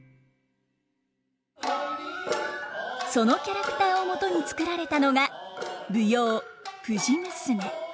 そのキャラクターをもとに作られたのが舞踊「藤娘」。